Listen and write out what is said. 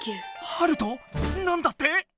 ハルト⁉何だって⁉